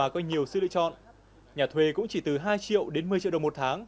tù sư lựa chọn nhà thuê cũng chỉ từ hai triệu đến một mươi triệu đồng một tháng